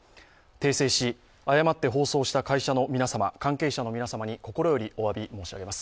訂正し、誤って放送した会社の皆様関係者の皆様に心よりおわびいたします。